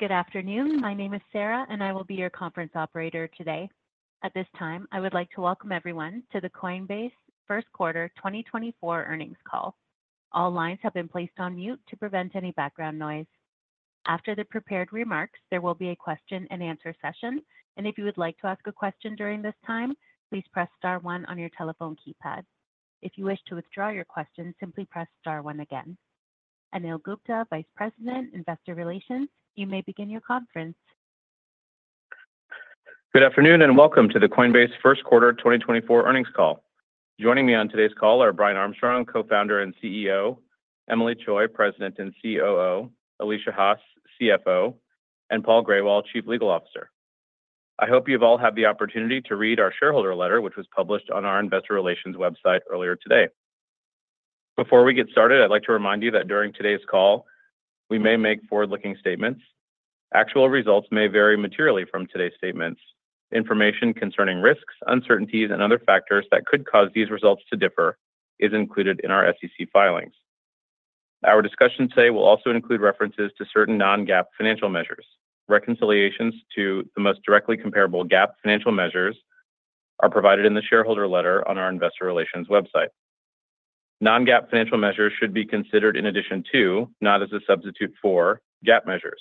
Good afternoon. My name is Sarah, and I will be y our conference operator today. At this time, I would like to welcome everyone to the Coinbase first quarter 2024 earnings call. All lines have been placed on mute to prevent any background noise. After the prepared remarks, there will be a question-and-answer session, and if you would like to ask a question during this time, please press Star one on your telephone keypad. If you wish to withdraw your question, simply press Star one again. Anil Gupta, Vice President, Investor Relations, you may begin your conference. Good afternoon and welcome to the Coinbase first quarter 2024 earnings call. Joining me on today's call are Brian Armstrong, Co-founder and CEO; Emilie Choi, President and COO; Alesia Haas, CFO; and Paul Grewal, Chief Legal Officer. I hope you've all had the opportunity to read our shareholder letter, which was published on our Investor Relations website earlier today. Before we get started, I'd like to remind you that during today's call, we may make forward-looking statements. Actual results may vary materially from today's statements. Information concerning risks, uncertainties, and other factors that could cause these results to differ is included in our SEC filings. Our discussion today will also include references to certain non-GAAP financial measures. Reconciliations to the most directly comparable GAAP financial measures are provided in the shareholder letter on our Investor Relations website. Non-GAAP financial measures should be considered in addition to, not as a substitute for, GAAP measures.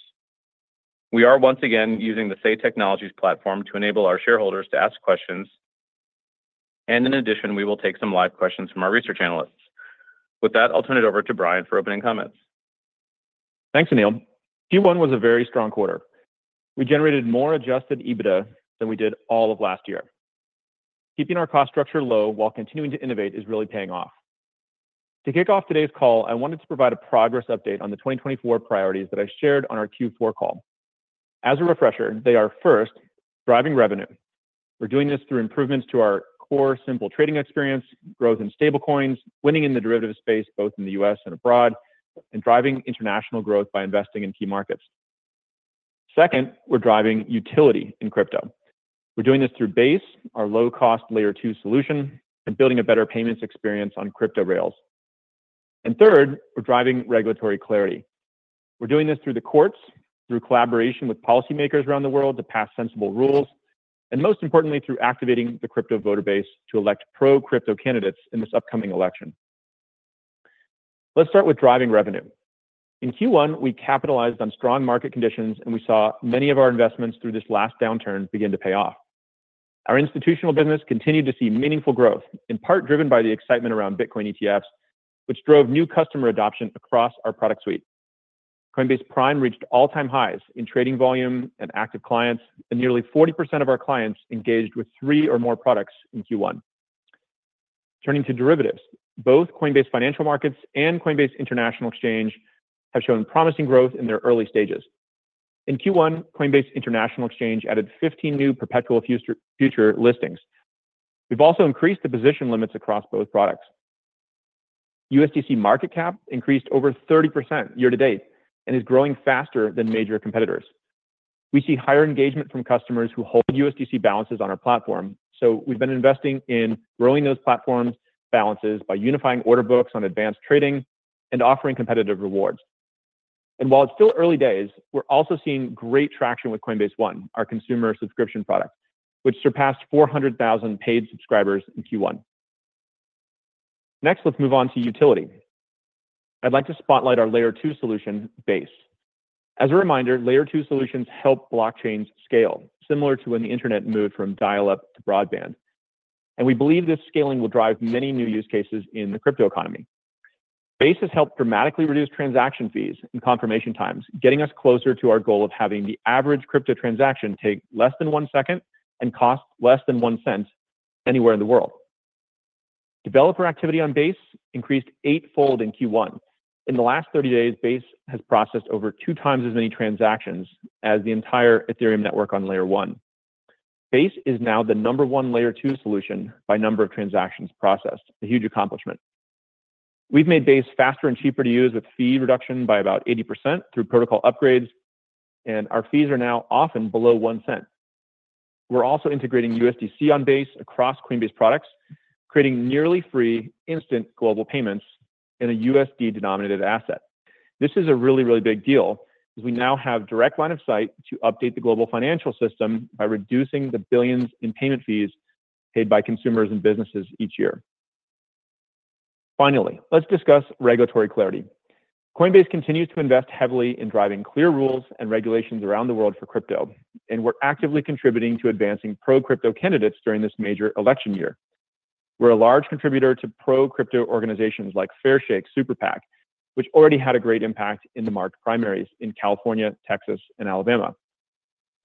We are once again using the Say Technologies platform to enable our shareholders to ask questions, and in addition, we will take some live questions from our research analysts. With that, I'll turn it over to Brian for opening comments. Thanks, Anil. Q1 was a very strong quarter. We generated more adjusted EBITDA than we did all of last year. Keeping our cost structure low while continuing to innovate is really paying off. To kick off today's call, I wanted to provide a progress update on the 2024 priorities that I shared on our Q4 call. As a refresher, they are: first, driving revenue. We're doing this through improvements to our core Simple trading experience, growth in stablecoins, winning in the derivative space both in the U.S. and abroad, and driving international growth by investing in key markets. Second, we're driving utility in crypto. We're doing this through Base, our low-cost Layer 2 solution, and building a better payments experience on crypto rails. And third, we're driving regulatory clarity. We're doing this through the courts, through collaboration with policymakers around the world to pass sensible rules, and most importantly, through activating the crypto voter base to elect pro-crypto candidates in this upcoming election. Let's start with driving revenue. In Q1, we capitalized on strong market conditions, and we saw many of our investments through this last downturn begin to pay off. Our Institutional business continued to see meaningful growth, in part driven by the excitement around Bitcoin ETFs, which drove new customer adoption across our product suite. Coinbase Prime reached all-time highs in trading volume and active clients, and nearly 40% of our clients engaged with three or more products in Q1. Turning to derivatives, both Coinbase Financial Markets and Coinbase International Exchange have shown promising growth in their early stages. In Q1, Coinbase International Exchange added 15 new perpetual future listings. We've also increased the position limits across both products. USDC market cap increased over 30% year to date and is growing faster than major competitors. We see higher engagement from customers who hold USDC balances on our platform, so we've been investing in growing those platforms' balances by unifying order books on Advanced trading and offering competitive rewards. And while it's still early days, we're also seeing great traction with Coinbase One, our consumer subscription product, which surpassed 400,000 paid subscribers in Q1. Next, let's move on to utility. I'd like to spotlight our Layer 2 solution, Base. As a reminder, Layer 2 Solutions help blockchains scale, similar to when the internet moved from dial-up to broadband, and we believe this scaling will drive many new use cases in the crypto economy. Base has helped dramatically reduce transaction fees and confirmation times, getting us closer to our goal of having the average crypto transaction take less than 1 second and cost less than $0.01 anywhere in the world. Developer activity on Base increased eightfold in Q1. In the last 30 days, Base has processed over two times as many transactions as the entire Ethereum network on Layer 1. Base is now the number one Layer 2 solution by number of transactions processed, a huge accomplishment. We've made Base faster and cheaper to use with fee reduction by about 80% through protocol upgrades, and our fees are now often below $0.01. We're also integrating USDC on Base across Coinbase products, creating nearly free, instant global payments in a USD-denominated asset. This is a really, really big deal, as we now have direct line of sight to update the global financial system by reducing the billions in payment fees paid by consumers and businesses each year. Finally, let's discuss regulatory clarity. Coinbase continues to invest heavily in driving clear rules and regulations around the world for crypto, and we're actively contributing to advancing pro-crypto candidates during this major election year. We're a large contributor to pro-crypto organizations like Fairshake SuperPAC, which already had a great impact in the primary primaries in California, Texas, and Alabama.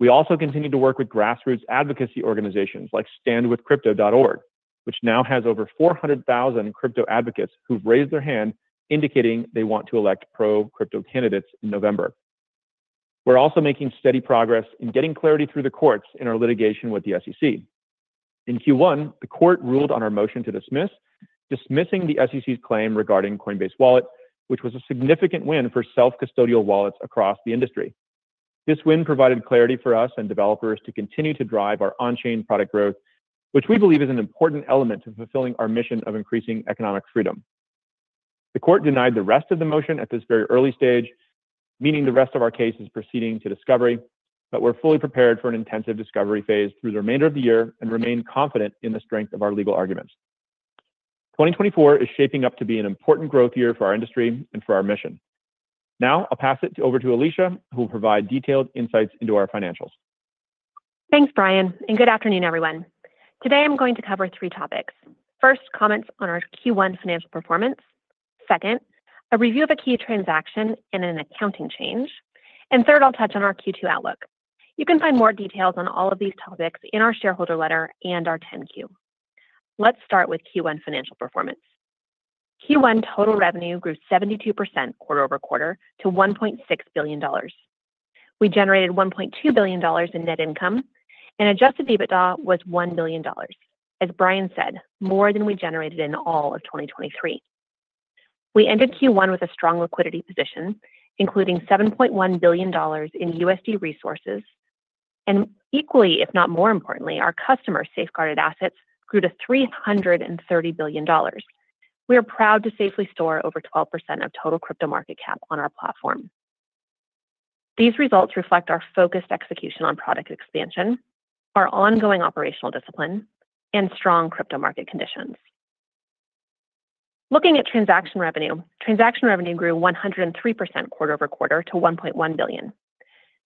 We also continue to work with grassroots advocacy organizations like StandWithCrypto.org, which now has over 400,000 crypto advocates who've raised their hand indicating they want to elect pro-crypto candidates in November. We're also making steady progress in getting clarity through the courts in our litigation with the SEC. In Q1, the court ruled on our motion to dismiss, dismissing the SEC's claim regarding Coinbase Wallet, which was a significant win for self-custodial wallets across the industry. This win provided clarity for us and developers to continue to drive our on-chain product growth, which we believe is an important element to fulfilling our mission of increasing economic freedom. The court denied the rest of the motion at this very early stage, meaning the rest of our case is proceeding to discovery, but we're fully prepared for an intensive discovery phase through the remainder of the year and remain confident in the strength of our legal arguments. 2024 is shaping up to be an important growth year for our industry and for our mission. Now I'll pass it over to Alesia, who will provide detailed insights into our financials. Thanks, Brian, and good afternoon, everyone. Today I'm going to cover three topics: first, comments on our Q1 financial performance, second, a review of a key transaction and an accounting change, and third, I'll touch on our Q2 outlook. You can find more details on all of these topics in our shareholder letter and our 10-Q. Let's start with Q1 financial performance. Q1 total revenue grew 72% quarter-over-quarter to $1.6 billion. We generated $1.2 billion in net income, and adjusted EBITDA was $1 billion. As Brian said, more than we generated in all of 2023. We ended Q1 with a strong liquidity position, including $7.1 billion in USD resources, and equally, if not more importantly, our customer safeguarded assets grew to $330 billion. We are proud to safely store over 12% of total crypto market cap on our platform. These results reflect our focused execution on product expansion, our ongoing operational discipline, and strong crypto market conditions. Looking at transaction revenue, transaction revenue grew 103% quarter-over-quarter to $1.1 billion.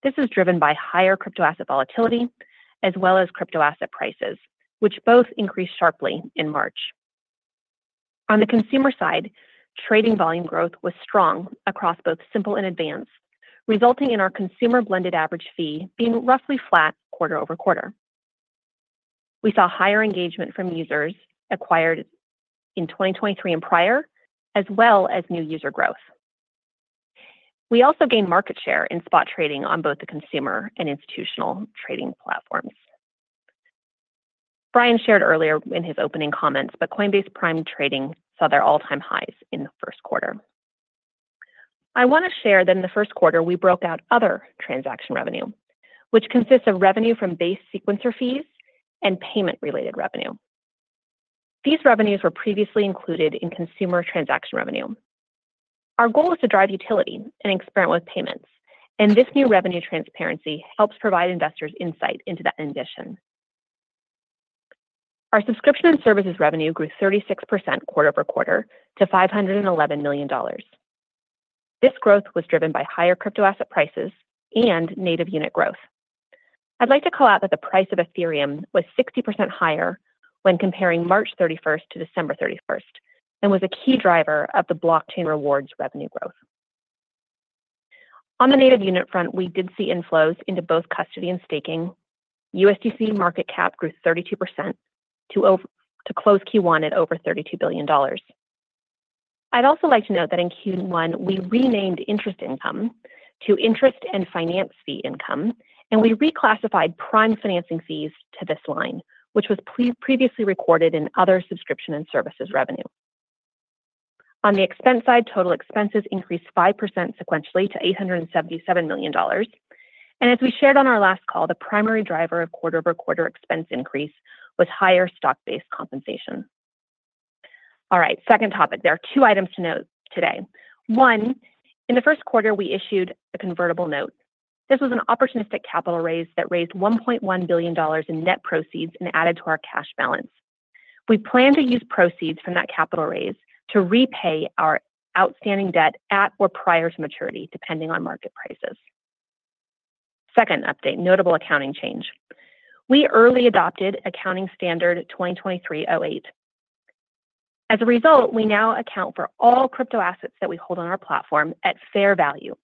This is driven by higher crypto asset volatility as well as crypto asset prices, which both increased sharply in March. On the consumer side, trading volume growth was strong across both simple and advanced, resulting in our consumer blended average fee being roughly flat quarter-over-quarter. We saw higher engagement from users acquired in 2023 and prior, as well as new user growth. We also gained market share in spot trading on both the Consumer and Institutional trading platforms. Brian shared earlier in his opening comments, but Coinbase Prime trading saw their all-time highs in the first quarter. I want to share that in the first quarter we broke out other transaction revenue, which consists of revenue from Base sequencer fees and payment-related revenue. These revenues were previously included in consumer transaction revenue. Our goal is to drive utility and experiment with payments, and this new revenue transparency helps provide investors insight into that ambition. Our subscription and services revenue grew 36% quarter-over-quarter to $511 million. This growth was driven by higher crypto asset prices and native unit growth. I'd like to call out that the price of Ethereum was 60% higher when comparing March 31st to December 31st and was a key driver of the blockchain rewards revenue growth. On the native unit front, we did see inflows into both custody and staking. USDC market cap grew 32% to close Q1 at over $32 billion. I'd also like to note that in Q1 we renamed interest income to interest and finance fee income, and we reclassified Prime financing fees to this line, which was previously recorded in other subscription and services revenue. On the expense side, total expenses increased 5% sequentially to $877 million, and as we shared on our last call, the primary driver of quarter-over-quarter expense increase was higher stock-based compensation. All right, second topic. There are two items to note today. One, in the first quarter we issued a convertible note. This was an opportunistic capital raise that raised $1.1 billion in net proceeds and added to our cash balance. We plan to use proceeds from that capital raise to repay our outstanding debt at or prior to maturity, depending on market prices. Second update, notable accounting change. We early adopted accounting standard 2023-08. As a result, we now account for all crypto assets that we hold on our platform at fair value,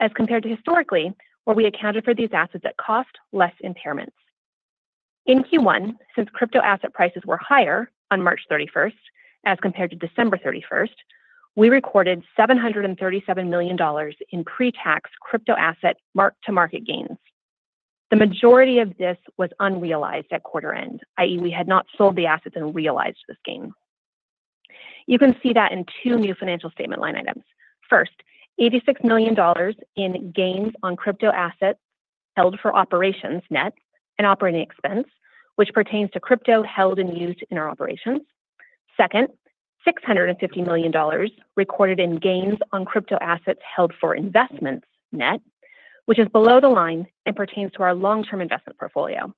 as compared to historically, where we accounted for these assets at cost less impairments. In Q1, since crypto asset prices were higher on March 31st as compared to December 31st, we recorded $737 million in pre-tax crypto asset mark-to-market gains. The majority of this was unrealized at quarter end, i.e., we had not sold the assets and realized this gain. You can see that in 2 new financial statement line items. First, $86 million in gains on crypto assets held for operations net and operating expense, which pertains to crypto held and used in our operations. Second, $650 million recorded in gains on crypto assets held for investments net, which is below the line and pertains to our long-term investment portfolio.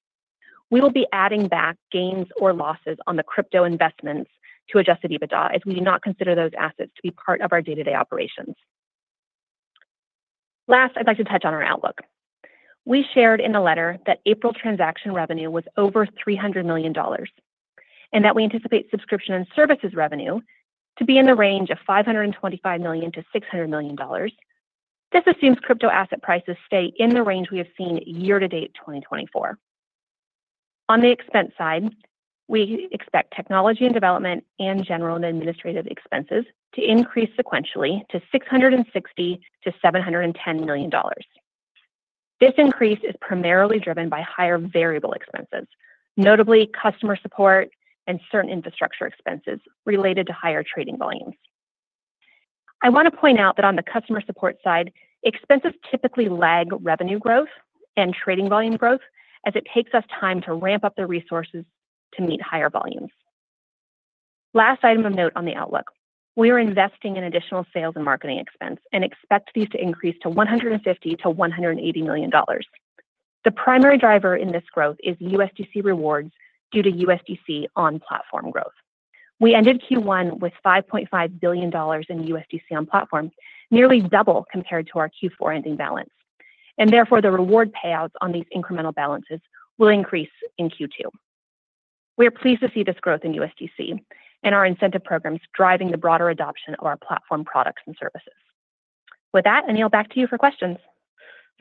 We will be adding back gains or losses on the crypto investments to adjusted EBITDA as we do not consider those assets to be part of our day-to-day operations. Last, I'd like to touch on our outlook. We shared in the letter that April transaction revenue was over $300 million and that we anticipate subscription and services revenue to be in the range of $525 million-$600 million. This assumes crypto asset prices stay in the range we have seen year-to-date 2024. On the expense side, we expect technology and development and general and administrative expenses to increase sequentially to $660 million-$710 million. This increase is primarily driven by higher variable expenses, notably customer support and certain infrastructure expenses related to higher trading volumes. I want to point out that on the customer support side, expenses typically lag revenue growth and trading volume growth as it takes us time to ramp up the resources to meet higher volumes. Last item of note on the outlook. We are investing in additional sales and marketing expense and expect these to increase to $150 million-$180 million. The primary driver in this growth is USDC rewards due to USDC on-platform growth. We ended Q1 with $5.5 billion in USDC on-platform, nearly double compared to our Q4 ending balance, and therefore the reward payouts on these incremental balances will increase in Q2. We are pleased to see this growth in USDC and our incentive programs driving the broader adoption of our platform products and services. With that, Anil, back to you for questions.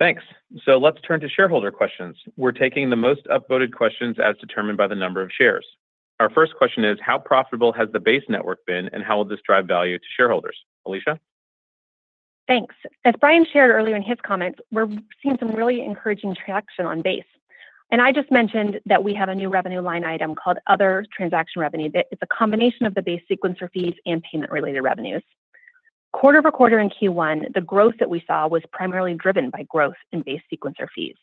Thanks. So let's turn to shareholder questions. We're taking the most upvoted questions as determined by the number of shares. Our first question is, how profitable has the Base network been, and how will this drive value to shareholders? Alesia? Thanks. As Brian shared earlier in his comments, we're seeing some really encouraging traction on Base. I just mentioned that we have a new revenue line item called other transaction revenue that is a combination of the Base sequencer fees and payment-related revenues. Quarter-over-quarter in Q1, the growth that we saw was primarily driven by growth in Base sequencer fees.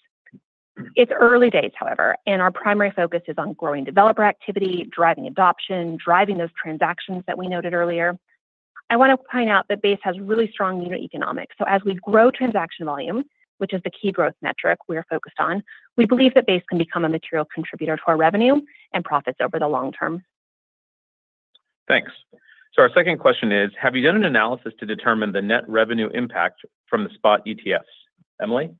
It's early days, however, and our primary focus is on growing developer activity, driving adoption, driving those transactions that we noted earlier. I want to point out that Base has really strong unit economics, so as we grow transaction volume, which is the key growth metric we are focused on, we believe that Base can become a material contributor to our revenue and profits over the long-term. Thanks. So our second question is, have you done an analysis to determine the net revenue impact from the spot ETFs? Emilie?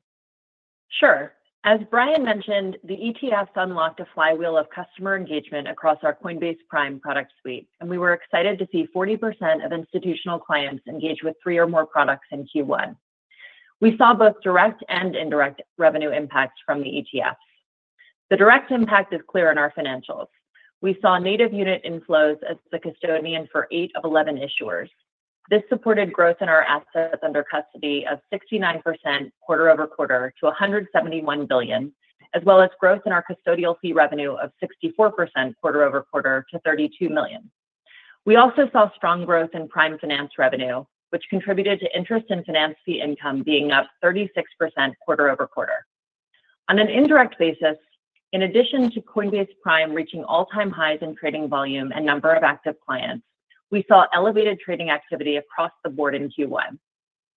Sure. As Brian mentioned, the ETFs unlocked a flywheel of customer engagement across our Coinbase Prime product suite, and we were excited to see 40% of Institutional clients engage with three or more products in Q1. We saw both direct and indirect revenue impacts from the ETFs. The direct impact is clear in our financials. We saw native unit inflows as the custodian for 8 of 11 issuers. This supported growth in our assets under custody of 69% quarter-over-quarter to $171 billion, as well as growth in our custodial fee revenue of 64% quarter-over-quarter to $32 million. We also saw strong growth in Prime finance revenue, which contributed to interest and finance fee income being up 36% quarter-over-quarter. On an indirect basis, in addition to Coinbase Prime reaching all-time highs in trading volume and number of active clients, we saw elevated trading activity across the board in Q1.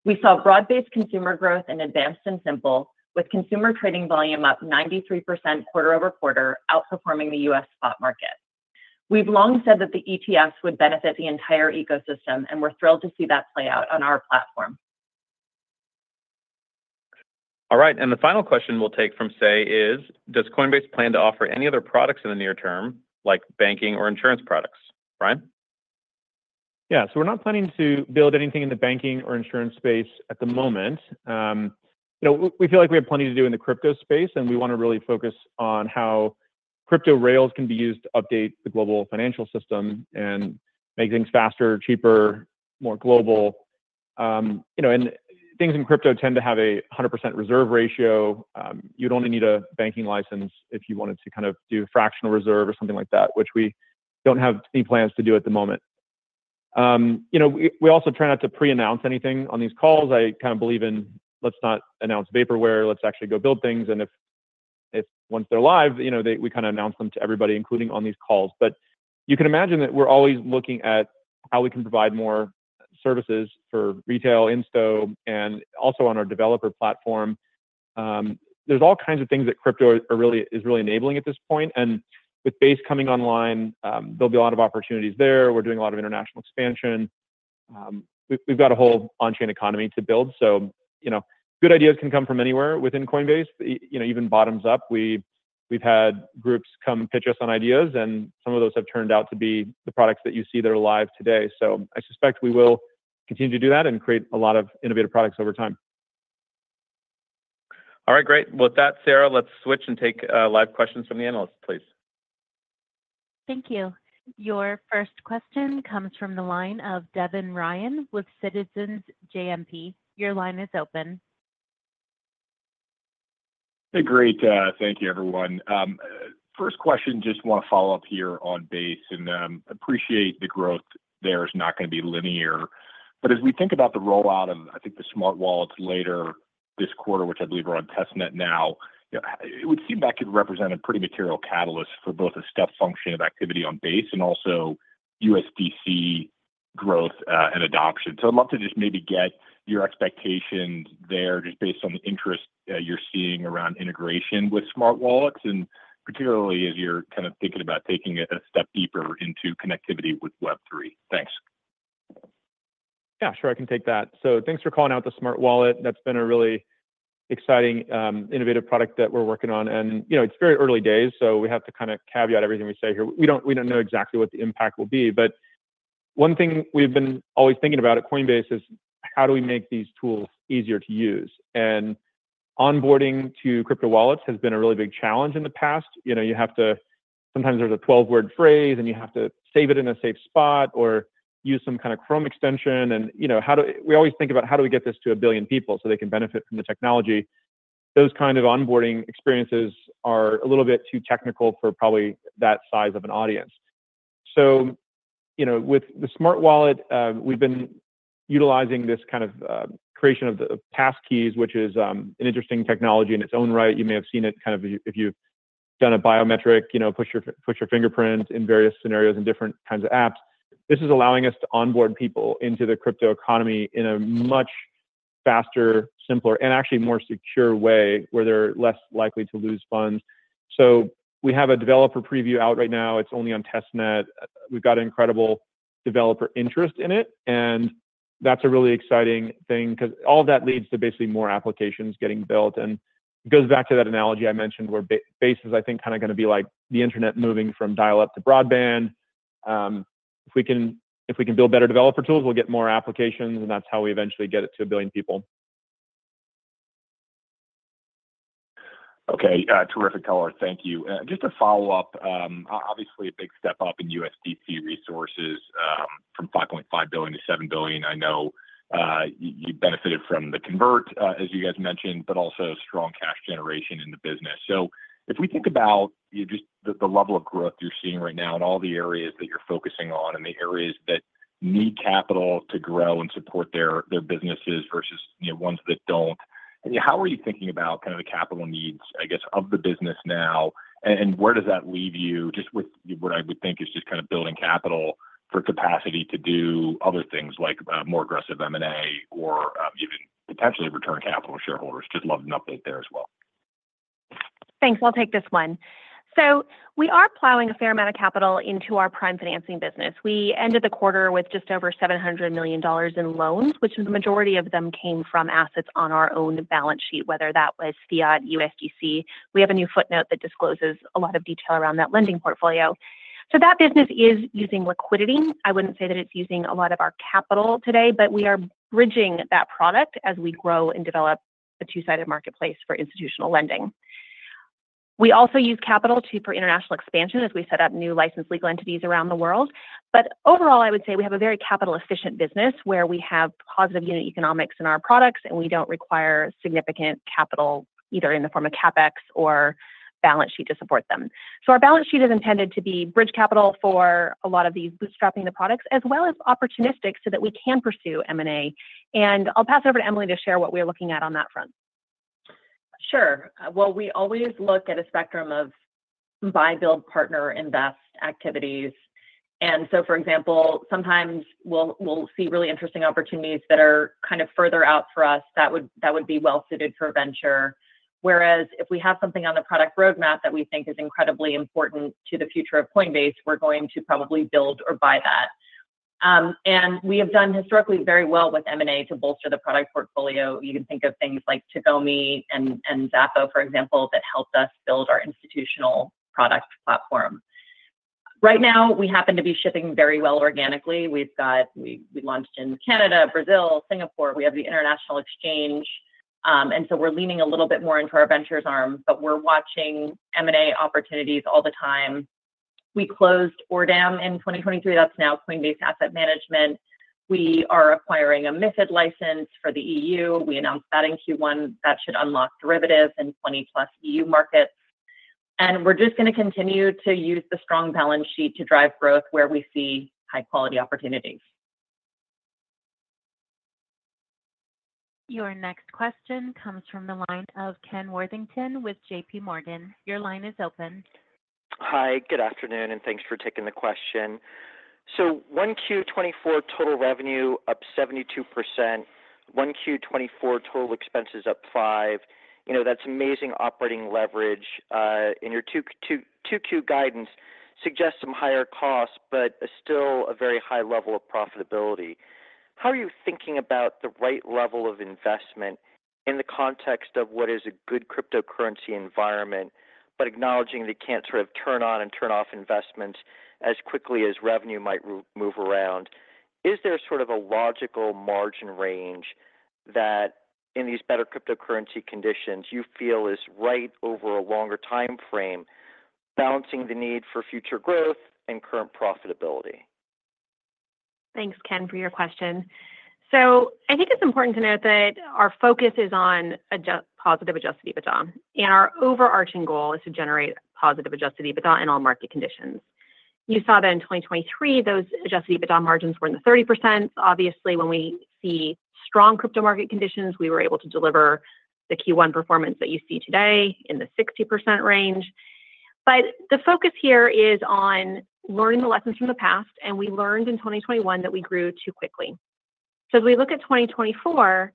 We saw broad-based consumer growth in advanced and simple, with consumer trading volume up 93% quarter-over-quarter, outperforming the U.S. spot market. We've long said that the ETFs would benefit the entire ecosystem, and we're thrilled to see that play out on our platform. All right, and the final question we'll take from Say is, does Coinbase plan to offer any other products in the near term, like banking or insurance products? Brian? Yeah, so we're not planning to build anything in the banking or insurance space at the moment. We feel like we have plenty to do in the crypto space, and we want to really focus on how crypto rails can be used to update the global financial system and make things faster, cheaper, more global. And things in crypto tend to have a 100% reserve ratio. You'd only need a banking license if you wanted to kind of do fractional reserve or something like that, which we don't have any plans to do at the moment. We also try not to pre-announce anything on these calls. I kind of believe in, let's not announce vaporware. Let's actually go build things. And once they're live, we kind of announce them to everybody, including on these calls. But you can imagine that we're always looking at how we can provide more services for retail, insto, and also on our developer platform. There's all kinds of things that crypto is really enabling at this point. And with Base coming online, there'll be a lot of opportunities there. We're doing a lot of international expansion. We've got a whole on-chain economy to build, so good ideas can come from anywhere within Coinbase, even bottoms up. We've had groups come pitch us on ideas, and some of those have turned out to be the products that you see that are live today. So I suspect we will continue to do that and create a lot of innovative products over time. All right, great. With that, Sarah, let's switch and take live questions from the analysts, please. Thank you. Your first question comes from the line of Devin Ryan with Citizens JMP. Your line is open. Hey, great. Thank you, everyone. First question, just want to follow up here on Base, and appreciate the growth there is not going to be linear. But as we think about the rollout of, I think, the Smart Wallets later this quarter, which I believe are on Testnet now, it would seem that could represent a pretty material catalyst for both a step function of activity on Base and also USDC growth and adoption. So I'd love to just maybe get your expectations there just based on the interest you're seeing around integration with Smart Wallets, and particularly as you're kind of thinking about taking a step deeper into connectivity with Web3. Thanks. Yeah, sure, I can take that. So thanks for calling out the Smart Wallet. That's been a really exciting, innovative product that we're working on. And it's very early days, so we have to kind of caveat everything we say here. We don't know exactly what the impact will be. But one thing we've been always thinking about at Coinbase is, how do we make these tools easier to use? And onboarding to crypto wallets has been a really big challenge in the past. You have to, sometimes there's a 12-word phrase, and you have to save it in a safe spot or use some kind of Chrome extension. And we always think about, how do we get this to a billion people so they can benefit from the technology? Those kind of onboarding experiences are a little bit too technical for probably that size of an audience. So with the Smart wallet, we've been utilizing this kind of creation of passkeys, which is an interesting technology in its own right. You may have seen it kind of if you've done a biometric, push your fingerprint in various scenarios in different kinds of apps. This is allowing us to onboard people into the crypto economy in a much faster, simpler, and actually more secure way where they're less likely to lose funds. So we have a developer preview out right now. It's only on Testnet. We've got incredible developer interest in it, and that's a really exciting thing because all of that leads to basically more applications getting built. And it goes back to that analogy I mentioned where Base is, I think, kind of going to be like the internet moving from dial-up to broadband. If we can build better developer tools, we'll get more applications, and that's how we eventually get it to a billion people. Okay, terrific color. Thank you. Just to follow up, obviously a big step up in USDC resources from $5.5 billion-$7 billion. I know you benefited from the convert, as you guys mentioned, but also strong cash generation in the business. So if we think about just the level of growth you're seeing right now in all the areas that you're focusing on and the areas that need capital to grow and support their businesses versus ones that don't, how are you thinking about kind of the capital needs, I guess, of the business now, and where does that leave you just with what I would think is just kind of building capital for capacity to do other things like more aggressive M&A or even potentially return capital to shareholders? Just love an update there as well. Thanks. I'll take this one. So we are plowing a fair amount of capital into our Prime financing business. We ended the quarter with just over $700 million in loans, which the majority of them came from assets on our own balance sheet, whether that was fiat, USDC. We have a new footnote that discloses a lot of detail around that lending portfolio. So that business is using liquidity. I wouldn't say that it's using a lot of our capital today, but we are bridging that product as we grow and develop a two-sided marketplace for Institutional lending. We also use capital for international expansion as we set up new licensed legal entities around the world. But overall, I would say we have a very capital-efficient business where we have positive unit economics in our products, and we don't require significant capital either in the form of CapEx or balance sheet to support them. So our balance sheet is intended to be bridge capital for a lot of these bootstrapping the products, as well as opportunistic so that we can pursue M&A. And I'll pass it over to Emilie to share what we are looking at on that front. Sure. Well, we always look at a spectrum of buy, build, partner, invest activities. And so, for example, sometimes we'll see really interesting opportunities that are kind of further out for us that would be well-fitted for venture. Whereas if we have something on the product roadmap that we think is incredibly important to the future of Coinbase, we're going to probably build or buy that. And we have done historically very well with M&A to bolster the product portfolio. You can think of things like Tagomi and Zabo, for example, that helped us build our Institutional product platform. Right now, we happen to be shipping very well organically. We launched in Canada, Brazil, Singapore. We have the international exchange. And so we're leaning a little bit more into our ventures arm, but we're watching M&A opportunities all the time. We closed ORDAM in 2023. That's now Coinbase Asset Management. We are acquiring a MiFID license for the EU. We announced that in Q1. That should unlock derivatives in 20+ EU markets. And we're just going to continue to use the strong balance sheet to drive growth where we see high-quality opportunities. Your next question comes from the line of Ken Worthington with JP Morgan. Your line is open. Hi, good afternoon, and thanks for taking the question. 1Q24 total revenue up 72%, 1Q24 total expenses up 5%. That's amazing operating leverage. Your 2Q guidance suggests some higher costs, but still a very high level of profitability. How are you thinking about the right level of investment in the context of what is a good cryptocurrency environment, but acknowledging that you can't sort of turn on and turn off investments as quickly as revenue might move around? Is there sort of a logical margin range that, in these better cryptocurrency conditions, you feel is right over a longer time frame, balancing the need for future growth and current profitability? Thanks, Ken, for your question. I think it's important to note that our focus is on positive adjusted EBITDA. Our overarching goal is to generate positive adjusted EBITDA in all market conditions. You saw that in 2023, those adjusted EBITDA margins were in the 30%. Obviously, when we see strong crypto market conditions, we were able to deliver the Q1 performance that you see today in the 60% range. The focus here is on learning the lessons from the past, and we learned in 2021 that we grew too quickly. As we look at 2024,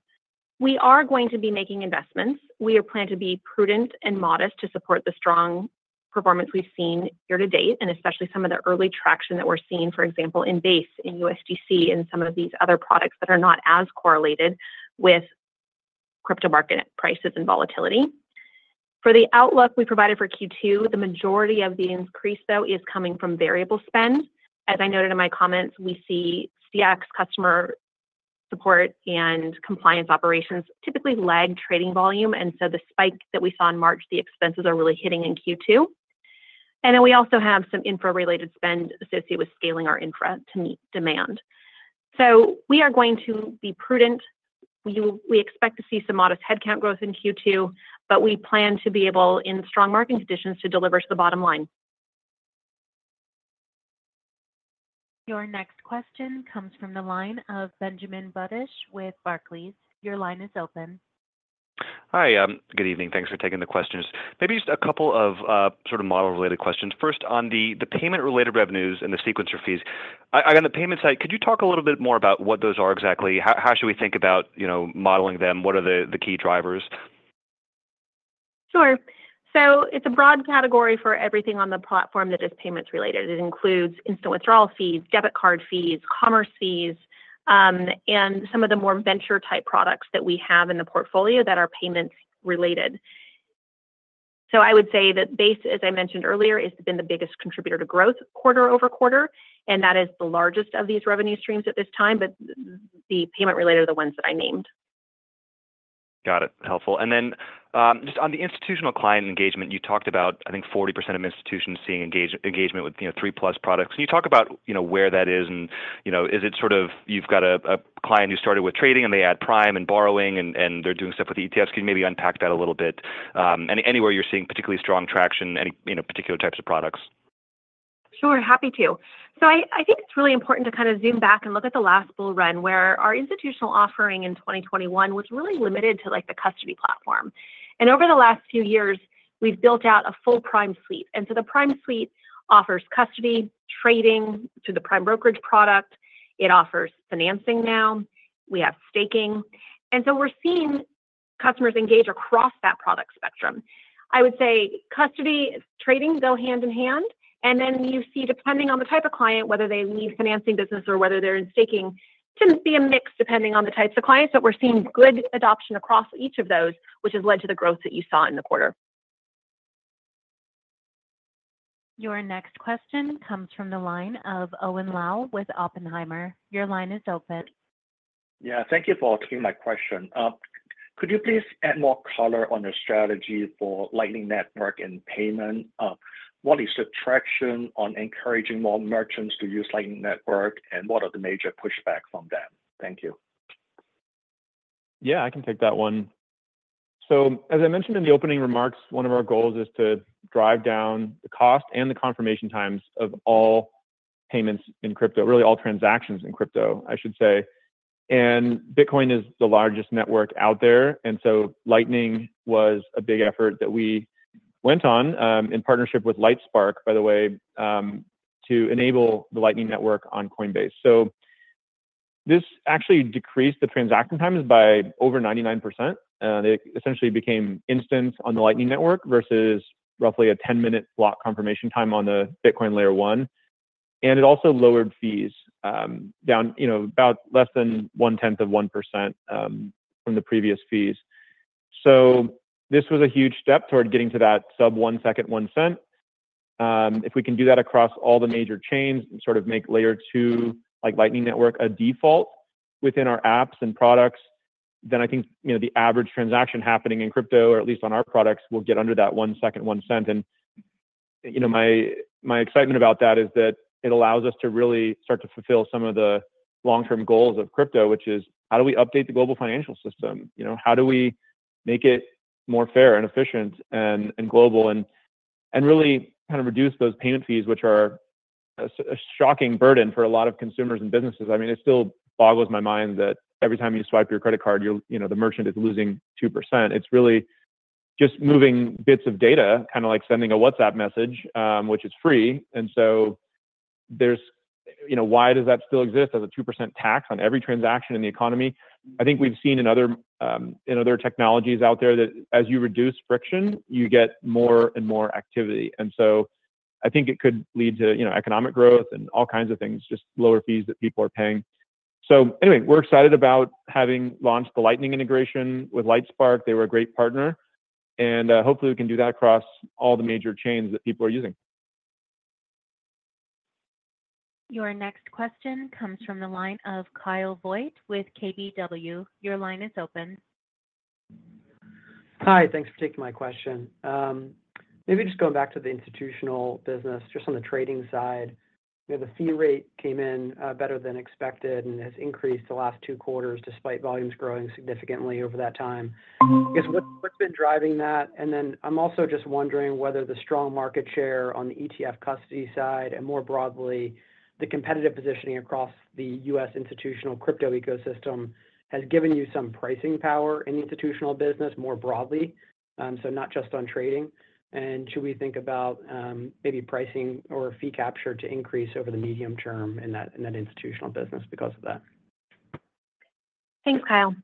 we are going to be making investments. We are planning to be prudent and modest to support the strong performance we've seen year to date, and especially some of the early traction that we're seeing, for example, in Base, in USDC, and some of these other products that are not as correlated with crypto market prices and volatility. For the outlook we provided for Q2, the majority of the increase, though, is coming from variable spend. As I noted in my comments, we see CX, customer support, and compliance operations typically lag trading volume. So the spike that we saw in March, the expenses are really hitting in Q2. Then we also have some infra-related spend associated with scaling our infra to meet demand. So we are going to be prudent. We expect to see some modest headcount growth in Q2, but we plan to be able, in strong market conditions, to deliver to the bottom line. Your next question comes from the line of Benjamin Budish with Barclays. Your line is open. Hi, good evening. Thanks for taking the questions. Maybe just a couple of sort of model-related questions. First, on the payment-related revenues and the sequencer fees. On the payment side, could you talk a little bit more about what those are exactly? How should we think about modeling them? What are the key drivers? Sure. So it's a broad category for everything on the platform that is payments-related. It includes instant withdrawal fees, debit card fees, commerce fees, and some of the more venture-type products that we have in the portfolio that are payments-related. So I would say that Base, as I mentioned earlier, has been the biggest contributor to growth quarter-over-quarter, and that is the largest of these revenue streams at this time, but the payment-related are the ones that I named. Got it. Helpful. And then just on the Institutional client engagement, you talked about, I think, 40% of institutions seeing engagement with 3+ products. Can you talk about where that is? And is it sort of you've got a client who started with trading, and they add prime and borrowing, and they're doing stuff with ETFs? Can you maybe unpack that a little bit? Anywhere you're seeing particularly strong traction, any particular types of products? Sure, happy to. So I think it's really important to kind of zoom back and look at the last bull run where our Institutional offering in 2021 was really limited to the custody platform. And over the last few years, we've built out a full prime suite. And so the prime suite offers custody, trading through the prime brokerage product. It offers financing now. We have staking. And so we're seeing customers engage across that product spectrum. I would say custody and trading go hand in hand. And then you see, depending on the type of client, whether they leave financing business or whether they're in staking, tends to be a mix depending on the types of clients. But we're seeing good adoption across each of those, which has led to the growth that you saw in the quarter. Your next question comes from the line of Owen Lau with Oppenheimer. Your line is open. Yeah, thank you for asking my question. Could you please add more color on your strategy for Lightning Network and payment? What is the traction on encouraging more merchants to use Lightning Network, and what are the major pushbacks from them? Thank you. Yeah, I can take that one. So as I mentioned in the opening remarks, one of our goals is to drive down the cost and the confirmation times of all payments in crypto, really all transactions in crypto, I should say. And Bitcoin is the largest network out there. And so Lightning was a big effort that we went on in partnership with Lightspark, by the way, to enable the Lightning Network on Coinbase. So this actually decreased the transaction times by over 99%. They essentially became instant on the Lightning Network versus roughly a 10-minute block confirmation time on the Bitcoin Layer 1. And it also lowered fees down about less than 0.1% from the previous fees. So this was a huge step toward getting to that sub-1-second, 1-cent. If we can do that across all the major chains and sort of make Layer 2, like Lightning Network, a default within our apps and products, then I think the average transaction happening in crypto, or at least on our products, will get under that one-second, one-cent. And my excitement about that is that it allows us to really start to fulfill some of the long-term goals of crypto, which is how do we update the global financial system? How do we make it more fair and efficient and global and really kind of reduce those payment fees, which are a shocking burden for a lot of consumers and businesses? I mean, it still boggles my mind that every time you swipe your credit card, the merchant is losing 2%. It's really just moving bits of data, kind of like sending a WhatsApp message, which is free. Why does that still exist as a 2% tax on every transaction in the economy? I think we've seen in other technologies out there that as you reduce friction, you get more and more activity. I think it could lead to economic growth and all kinds of things, just lower fees that people are paying. Anyway, we're excited about having launched the Lightning integration with Lightspark. They were a great partner. Hopefully, we can do that across all the major chains that people are using. Your next question comes from the line of Kyle Voigt with KBW. Your line is open. Hi, thanks for taking my question. Maybe just going back to the Institutional business, just on the trading side, the fee rate came in better than expected and has increased the last two quarters despite volumes growing significantly over that time. I guess what's been driving that? And then I'm also just wondering whether the strong market share on the ETF custody side and more broadly, the competitive positioning across the U.S. Institutional crypto ecosystem has given you some pricing power in the Institutional business more broadly, so not just on trading. And should we think about maybe pricing or fee capture to increase over the medium term in that Institutional business because of that? Thanks, Kyle.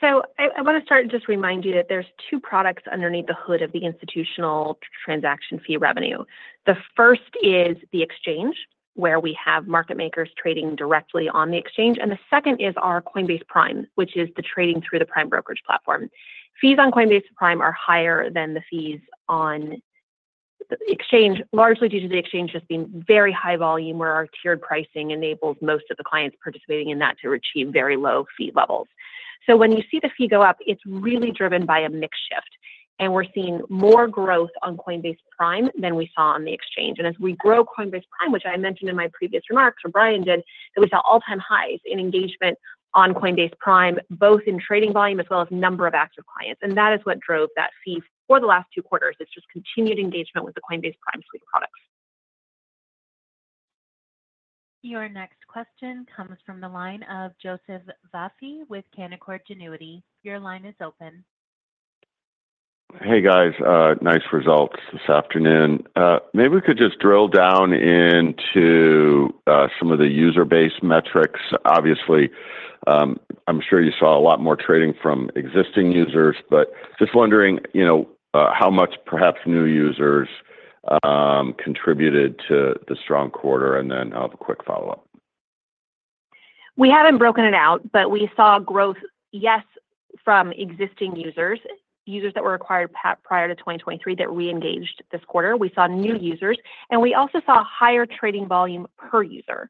I want to start and just remind you that there's two products underneath the hood of the Institutional transaction fee revenue. The first is the exchange, where we have market makers trading directly on the exchange. The second is our Coinbase Prime, which is the trading through the prime brokerage platform. Fees on Coinbase Prime are higher than the fees on the exchange, largely due to the exchange just being very high volume, where our tiered pricing enables most of the clients participating in that to achieve very low fee levels. When you see the fee go up, it's really driven by a mix shift. We're seeing more growth on Coinbase Prime than we saw on the exchange. As we grow Coinbase Prime, which I mentioned in my previous remarks or Brian did, that we saw all-time highs in engagement on Coinbase Prime, both in trading volume as well as number of active clients. That is what drove that fee for the last two quarters. It's just continued engagement with the Coinbase Prime suite products. Your next question comes from the line of Joseph Vafi with Canaccord Genuity. Your line is open. Hey, guys. Nice results this afternoon. Maybe we could just drill down into some of the user-based metrics. Obviously, I'm sure you saw a lot more trading from existing users, but just wondering how much perhaps new users contributed to the strong quarter? Then I'll have a quick follow-up. We haven't broken it out, but we saw growth, yes, from existing users, users that were acquired prior to 2023 that re-engaged this quarter. We saw new users. We also saw higher trading volume per user.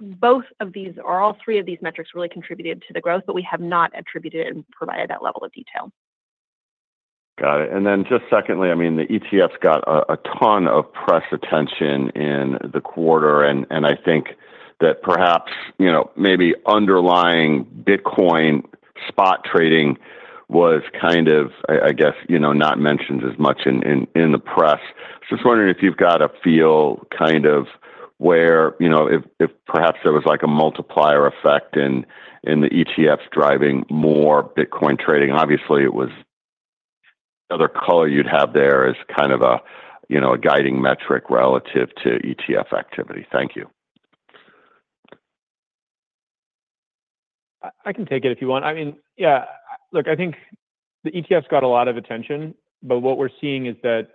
Both of these are all three of these metrics really contributed to the growth, but we have not attributed and provided that level of detail. Got it. And then just secondly, I mean, the ETFs got a ton of press attention in the quarter. And I think that perhaps maybe underlying Bitcoin spot trading was kind of, I guess, not mentioned as much in the press. Just wondering if you've got a feel kind of where if perhaps there was a multiplier effect in the ETFs driving more Bitcoin trading. Obviously, any other color you'd have there as kind of a guiding metric relative to ETF activity. Thank you. I can take it if you want. I mean, yeah, look, I think the ETFs got a lot of attention. But what we're seeing is that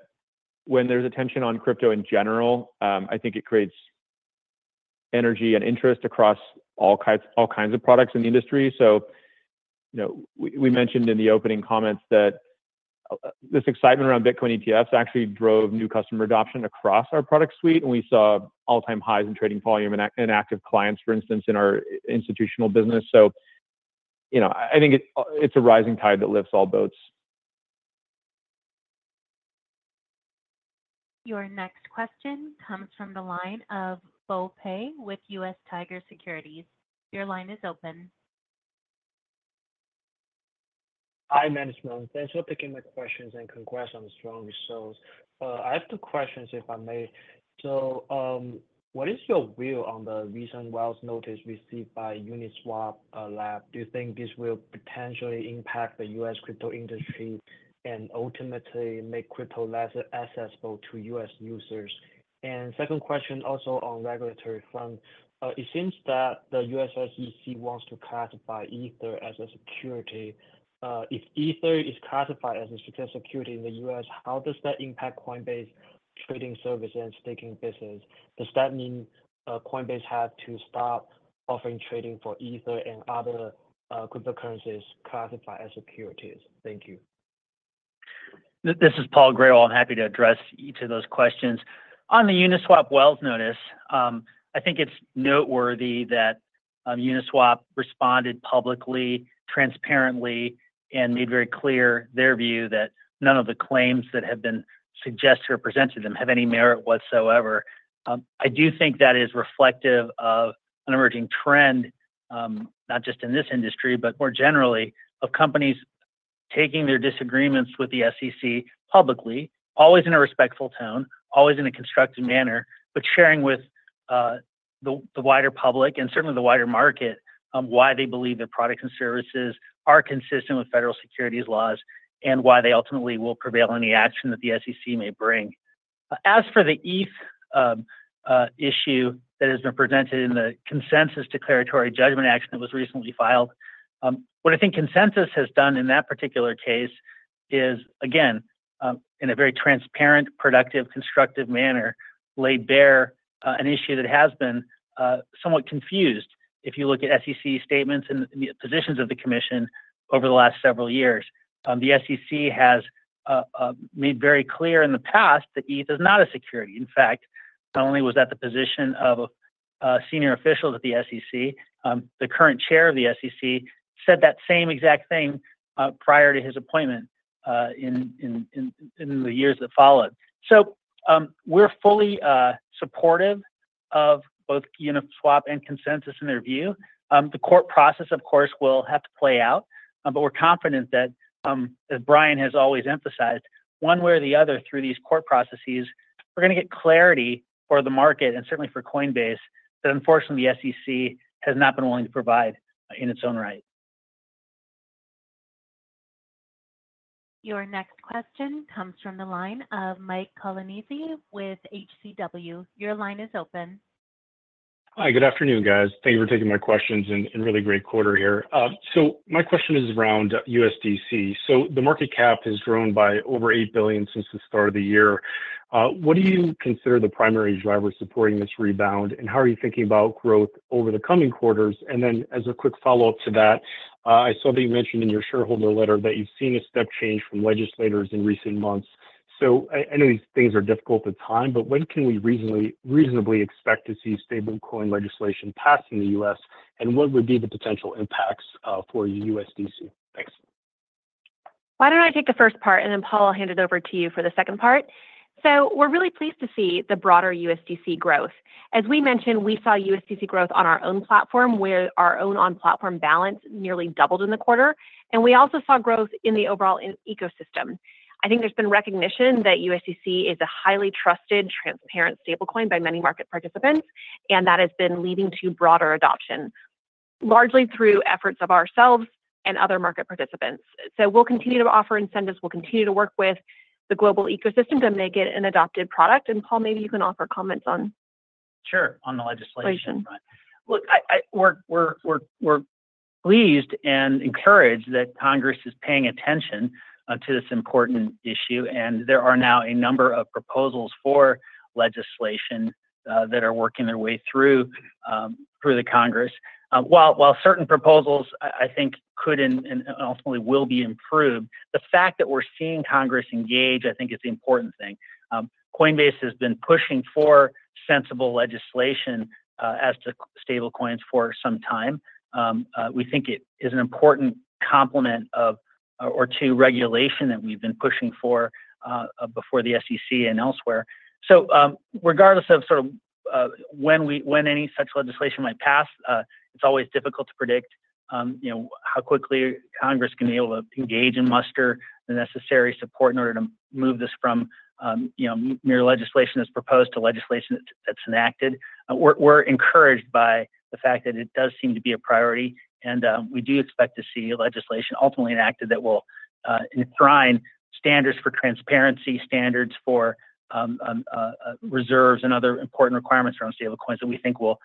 when there's attention on crypto in general, I think it creates energy and interest across all kinds of products in the industry. So we mentioned in the opening comments that this excitement around Bitcoin ETFs actually drove new customer adoption across our product suite. And we saw all-time highs in trading volume and active clients, for instance, in our Institutional business. So I think it's a rising tide that lifts all boats. Your next question comes from the line of Bo Pei with US Tiger Securities. Your line is open. Hi, Management. Thanks for picking my questions and congrats on the strong results. I have two questions, if I may. So what is your view on the recent Wells notice received by Uniswap Labs? Do you think this will potentially impact the U.S. crypto industry and ultimately make crypto less accessible to U.S. users? And second question, also on regulatory front. It seems that the U.S. SEC wants to classify Ether as a security. If Ether is classified as a secure security in the U.S., how does that impact Coinbase trading service and staking business? Does that mean Coinbase has to stop offering trading for Ether and other cryptocurrencies classified as securities? Thank you. This is Paul Grewal. I'm happy to address each of those questions. On the Uniswap Wells notice, I think it's noteworthy that Uniswap responded publicly, transparently, and made very clear their view that none of the claims that have been suggested or presented to them have any merit whatsoever. I do think that is reflective of an emerging trend, not just in this industry, but more generally, of companies taking their disagreements with the SEC publicly, always in a respectful tone, always in a constructive manner, but sharing with the wider public and certainly the wider market why they believe their products and services are consistent with federal securities laws and why they ultimately will prevail in the action that the SEC may bring. As for the ETH issue that has been presented in the Consensys declaratory judgment action that was recently filed, what I think Consensys has done in that particular case is, again, in a very transparent, productive, constructive manner, laid bare an issue that has been somewhat confused if you look at SEC statements and positions of the commission over the last several years. The SEC has made very clear in the past that ETH is not a security. In fact, not only was that the position of a senior official at the SEC, the current chair of the SEC said that same exact thing prior to his appointment in the years that followed. So we're fully supportive of both Uniswap and Consensys in their view. The court process, of course, will have to play out. But we're confident that, as Brian has always emphasized, one way or the other, through these court processes, we're going to get clarity for the market and certainly for Coinbase that, unfortunately, the SEC has not been willing to provide in its own right. Your next question comes from the line of Mike Colonnese with HCW. Your line is open. Hi, good afternoon, guys. Thank you for taking my questions. Really great quarter here. My question is around USDC. The market cap has grown by over $8 billion since the start of the year. What do you consider the primary driver supporting this rebound? How are you thinking about growth over the coming quarters? Then as a quick follow-up to that, I saw that you mentioned in your shareholder letter that you've seen a step change from legislators in recent months. I know these things are difficult at times, but when can we reasonably expect to see stablecoin legislation pass in the U.S.? What would be the potential impacts for USDC? Thanks. Why don't I take the first part, and then Paul will hand it over to you for the second part? We're really pleased to see the broader USDC growth. As we mentioned, we saw USDC growth on our own platform, where our on-platform balance nearly doubled in the quarter. We also saw growth in the overall ecosystem. I think there's been recognition that USDC is a highly trusted, transparent stablecoin by many market participants. That has been leading to broader adoption, largely through efforts of ourselves and other market participants. We'll continue to offer incentives. We'll continue to work with the global ecosystem to make it an adopted product. Paul, maybe you can offer comments on. Sure, on the legislation. Look, we're pleased and encouraged that Congress is paying attention to this important issue. There are now a number of proposals for legislation that are working their way through the Congress. While certain proposals, I think, could and ultimately will be improved, the fact that we're seeing Congress engage, I think, is the important thing. Coinbase has been pushing for sensible legislation as to stablecoins for some time. We think it is an important complement or to regulation that we've been pushing for before the SEC and elsewhere. Regardless of sort of when any such legislation might pass, it's always difficult to predict how quickly Congress can be able to engage and muster the necessary support in order to move this from mere legislation that's proposed to legislation that's enacted. We're encouraged by the fact that it does seem to be a priority. We do expect to see legislation ultimately enacted that will enshrine standards for transparency, standards for reserves, and other important requirements around stablecoins that we think will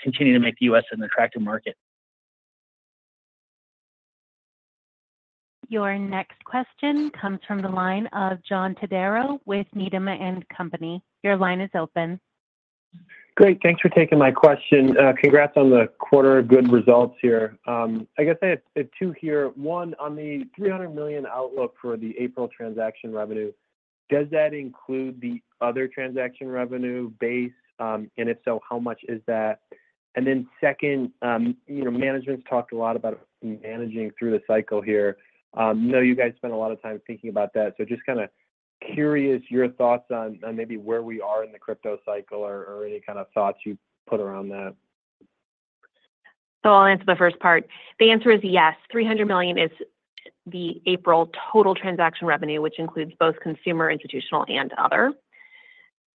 continue to make the U.S. an attractive market. Your next question comes from the line of John Todaro with Needham & Company. Your line is open. Great. Thanks for taking my question. Congrats on the quarter of good results here. I guess I have two here. One, on the $300 million outlook for the April transaction revenue, does that include the other transaction revenue base? And if so, how much is that? And then second, management's talked a lot about managing through the cycle here. I know you guys spent a lot of time thinking about that. So just kind of curious your thoughts on maybe where we are in the crypto cycle or any kind of thoughts you put around that. So I'll answer the first part. The answer is yes. $300 million is the April total transaction revenue, which includes both consumer, Institutional, and other.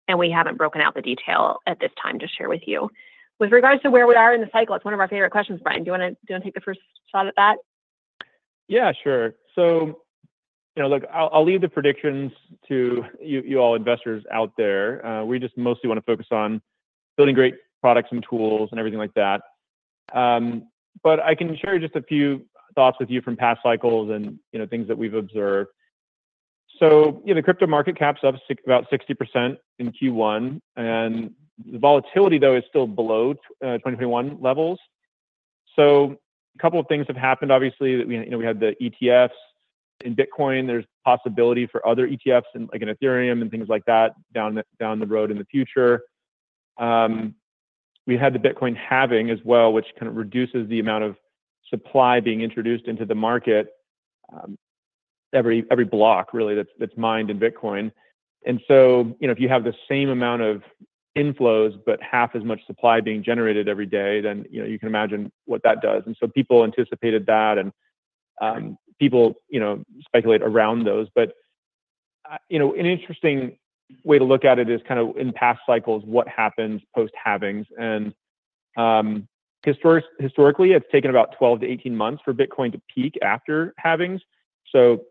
And we haven't broken out the detail at this time to share with you. With regards to where we are in the cycle, it's one of our favorite questions, Brian. Do you want to take the first shot at that? Yeah, sure. So look, I'll leave the predictions to you all investors out there. We just mostly want to focus on building great products and tools and everything like that. But I can share just a few thoughts with you from past cycles and things that we've observed. So the crypto market cap's up about 60% in Q1. And the volatility, though, is still below 2021 levels. So a couple of things have happened, obviously. We had the ETFs in Bitcoin. There's possibility for other ETFs like an Ethereum and things like that down the road in the future. We had the Bitcoin halving as well, which kind of reduces the amount of supply being introduced into the market, every block, really, that's mined in Bitcoin. And so if you have the same amount of inflows but half as much supply being generated every day, then you can imagine what that does. And so people anticipated that. And people speculate around those. But an interesting way to look at it is kind of in past cycles, what happens post-halvings? And historically, it's taken about 12-18 months for Bitcoin to peak after halvings. So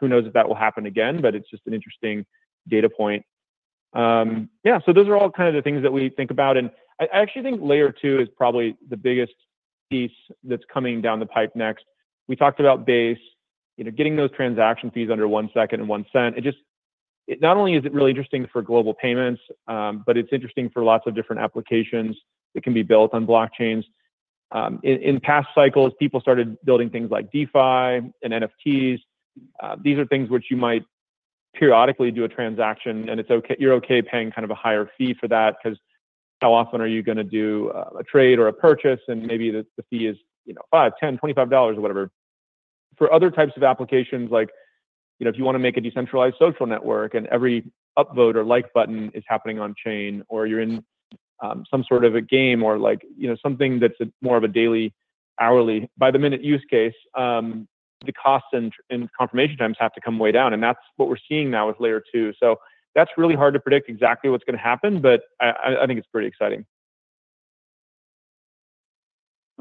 who knows if that will happen again? But it's just an interesting data point. Yeah, so those are all kind of the things that we think about. And I actually think Layer 2 is probably the biggest piece that's coming down the pipe next. We talked about Base, getting those transaction fees under 1 second and 1 cent. Not only is it really interesting for global payments, but it's interesting for lots of different applications that can be built on blockchains. In past cycles, people started building things like DeFi and NFTs. These are things which you might periodically do a transaction. You're okay paying kind of a higher fee for that because how often are you going to do a trade or a purchase? Maybe the fee is $5, $10, $25, or whatever. For other types of applications, like if you want to make a decentralized social network and every upvote or like button is happening on-chain, or you're in some sort of a game or something that's more of a daily, hourly, by-the-minute use case, the costs and confirmation times have to come way down. That's what we're seeing now with Layer 2. That's really hard to predict exactly what's going to happen. But I think it's pretty exciting.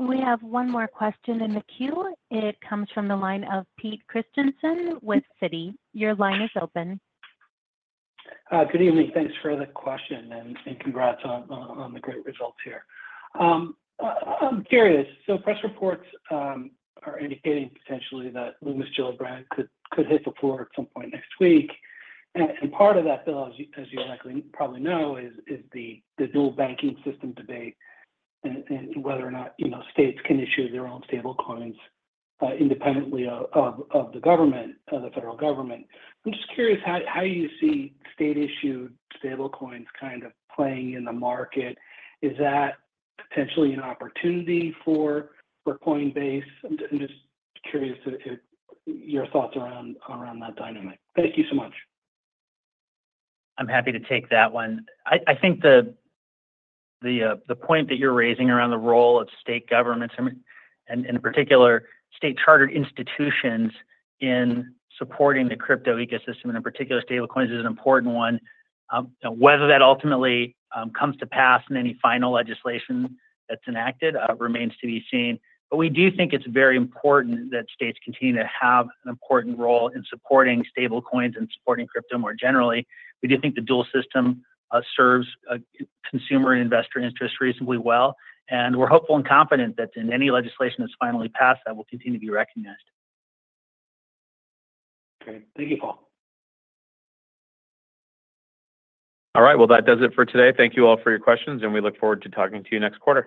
We have one more question in the queue. It comes from the line of Pete Christiansen with Citi. Your line is open. Good evening. Thanks for the question. Congrats on the great results here. I'm curious. Press reports are indicating potentially that Lummis-Gillibrand could hit the floor at some point next week. Part of that, bill, as you probably know, is the dual banking system debate and whether or not states can issue their own stablecoins independently of the government, the federal government. I'm just curious how you see state-issued stablecoins kind of playing in the market. Is that potentially an opportunity for Coinbase? I'm just curious your thoughts around that dynamic. Thank you so much. I'm happy to take that one. I think the point that you're raising around the role of state governments and, in particular, state-chartered institutions in supporting the crypto ecosystem, and in particular, stablecoins, is an important one. Whether that ultimately comes to pass in any final legislation that's enacted remains to be seen. But we do think it's very important that states continue to have an important role in supporting stablecoins and supporting crypto more generally. We do think the dual system serves consumer and investor interests reasonably well. And we're hopeful and confident that in any legislation that's finally passed, that will continue to be recognized. Okay. Thank you, Paul. All right. Well, that does it for today. Thank you all for your questions. We look forward to talking to you next quarter.